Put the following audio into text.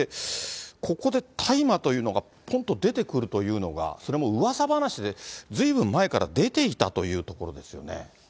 ここで大麻というのがぽんっと出てくるというのが、それはもううわさ話でずいぶん前から出ていたというところですよ